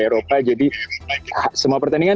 eropa jadi semua pertandingan